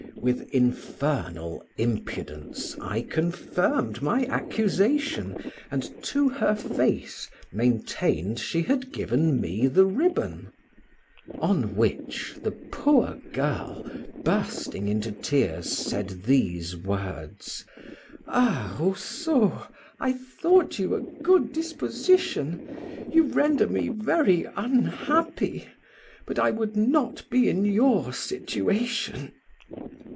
With infernal impudence, I confirmed my accusation, and to her face maintained she had given me the ribbon: on which, the poor girl, bursting into tears, said these words "Ah, Rousseau! I thought you a good disposition you render me very unhappy, but I would not be in your situation."